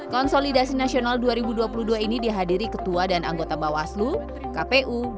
konsolidasi nasional dua ribu dua puluh dua ini dihadiri ketua dan anggota bawaslu kpu